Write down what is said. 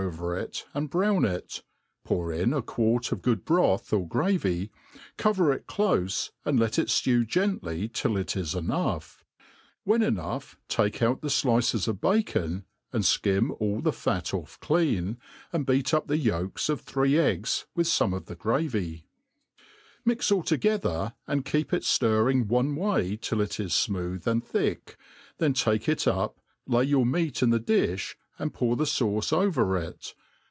overjt and brpvyn jt j pou r in a quart of good broth or gravy, cover jt .clofe, and le^ it ftew gently till it is enough; when enpugh, take out the juices of bacon, and (kim' ail the , fat off^clean, and beat I'p the iroJks of three eggs with fome of the gravy ; mix ali lo^tther, E 1^ and I iJB THE ART OF COOKERY and keep it (lirrittg one W4iy till it is fmooth and thick, then take it up, lay your meat in the diib, and pour the fauce over it.